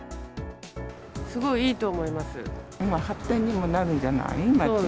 すごいいいと思います。